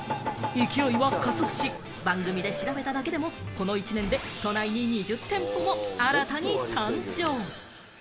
勢いは加速し、番組で調べただけでも、この１年で都内に２０店舗も新たに誕生。